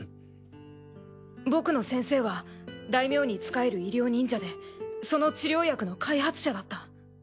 僕の先生は大名に仕える医療忍者でその治療薬の開発者だった。